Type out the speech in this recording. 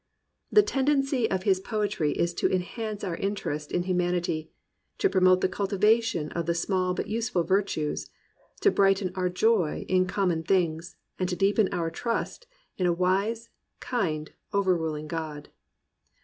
The ten dency of his poetry is to enhance our interest in humanity, to promote the cultivation of the small but useful virtues, to brighten our joy in common things, and to deepen our trust in a wise, kind, over ruling God.